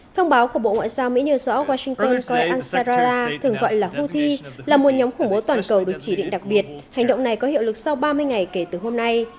thông báo của bộ ngoại giao mỹ nhờ rõ washington coi an sarahra thường gọi là houthi là một nhóm khủng bố toàn cầu được chỉ định đặc biệt hành động này có hiệu lực sau ba mươi ngày kể từ hôm nay